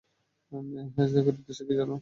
এই হাইজ্যাকের উদ্দেশ্য কী জানো?